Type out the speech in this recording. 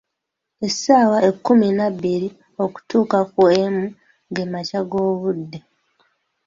Essaawa ekkumi nabbiri okutuuka ku emu, ge makya g'obudde.